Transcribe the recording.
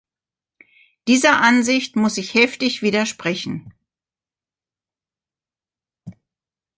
Dieser Ansicht muss ich heftig widersprechen.